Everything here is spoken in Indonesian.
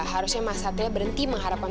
harusnya mas satria berhenti mengharapkan